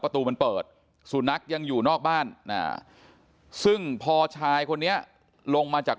ประตูมันเปิดสุนัขยังอยู่นอกบ้านซึ่งพอชายคนนี้ลงมาจาก